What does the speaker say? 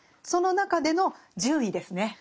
その中での順位ですね